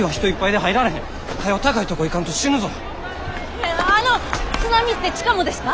ねえあの津波って地下もですか？